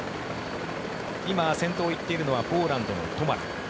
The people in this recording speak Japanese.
今、先頭を行っているのはポーランドのトマラ。